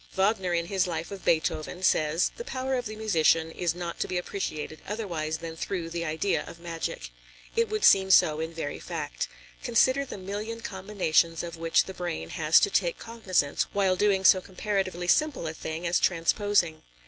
Wagner in his life of Beethoven says: "The power of the musician is not to be appreciated otherwise than through the idea of magic." It would seem so in very fact. Consider the million combinations of which the brain has to take cognizance while doing so comparatively simple a thing as transposing.